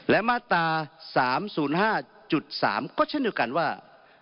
และมาตรา๓๐๕๓ก็เช่นเดียวกันว่า